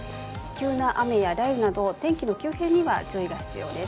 急な雨や雷雨など天気の急変には注意が必要です。